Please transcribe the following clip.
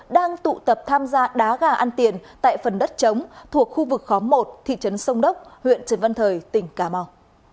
đang tụ tập tham gia đá gà ăn tiền tại phần đất chống thuộc khu vực khóm một thị trấn sông đốc huyện trần văn thời tỉnh cà mau